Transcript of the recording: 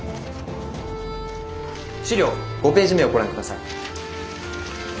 資料５ページ目をご覧ください。